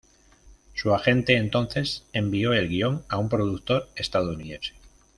Su agente entonces envió el guion a un productor estadounidense.